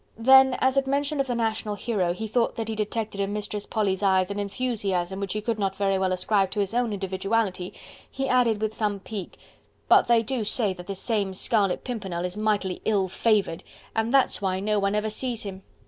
Then, as at mention of the national hero, he thought that he detected in Mistress Polly's eyes an enthusiasm which he could not very well ascribe to his own individuality, he added with some pique: "But they do say that this same Scarlet Pimpernel is mightily ill favoured, and that's why no one ever sees him.